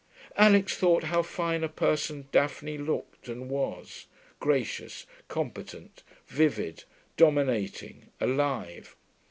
Alix thought how fine a person Daphne looked and was: gracious, competent, vivid, dominating, alive.